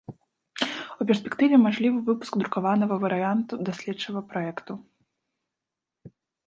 У перспектыве мажлівы выпуск друкаванага варыянту даследчага праекту.